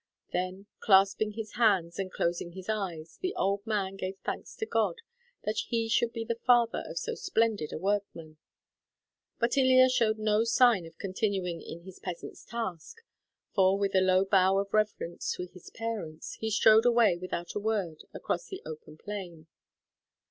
Then, clasping his hands and closing his eyes, the old man gave thanks to God that he should be the father of so splendid a workman; but Ilya showed no sign of continuing in his peasant's task, for with a low bow of reverence to his parents, he strode away without a word across the open plain.